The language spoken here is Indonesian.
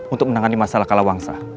untuk menangani masalah kalawangsa